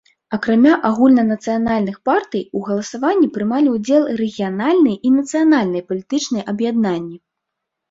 Акрамя агульнанацыянальных партый, у галасаванні прымалі ўдзел рэгіянальныя і нацыянальныя палітычныя аб'яднанні.